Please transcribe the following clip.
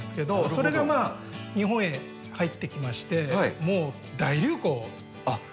それが日本へ入ってきましてもう大流行してですね。